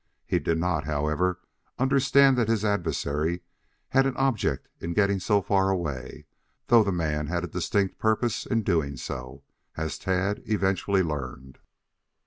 He did not, however, understand that his adversary had any object in getting so far away, though the man had a distinct purpose in so doing, as Tad eventually learned.